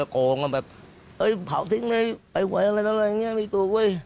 โกงกันแบบเฮ้ยเผาทิ้งเลยไปไว้อะไรแล้วไม่ถูกเว้ย